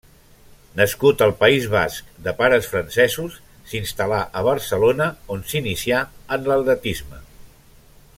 Nascut al País Basc de pares francesos, s'instal·là a Barcelona, on s'inicià en l'atletisme.